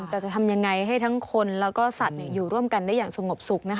แต่จะทำยังไงให้ทั้งคนแล้วก็สัตว์อยู่ร่วมกันได้อย่างสงบสุขนะคะ